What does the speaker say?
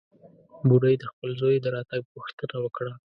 بوډۍ د خپل زوى د راتګ پوښتنه وکړه.